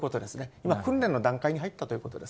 今、訓練の段階に入ったということです。